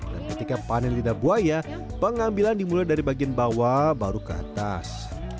dan ketika panen lidah buaya pengambilan dimulai dari bagian bawah baru ke atas